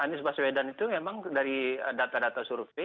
anies baswedan itu memang dari data data survei